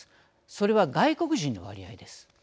それは外国人の割合です。